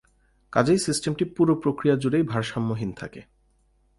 কাজেই সিস্টেমটি পুরো প্রক্রিয়া জুড়েই ভারসাম্যহীন থাকে।